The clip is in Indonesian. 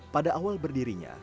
pada awal berdirinya